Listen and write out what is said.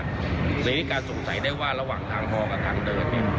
ในการสงสัยได้ว่าระหว่างทางพอกับทางเดิน